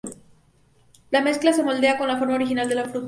La mezcla se moldea con la forma original de la fruta.